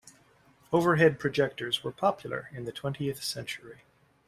Overhead projectors were popular in the twentieth century.